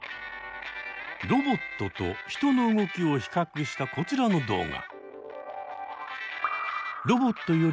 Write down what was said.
ロボットと人の動きを比較したこちらの動画。